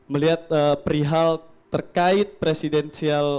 melihat perihal terkait presidensial